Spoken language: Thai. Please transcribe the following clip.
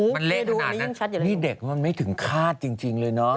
มันเละขนาดนั้นนี่เด็กมันไม่ถึงคาดจริงเลยเนาะ